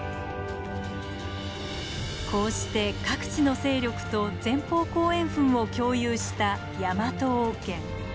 こうして各地の勢力と前方後円墳を共有したヤマト王権。